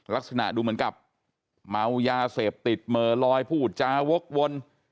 ลักษณะดูเหมือนกับเมายาเสพติดเหม่อลอยพูดจาวกวน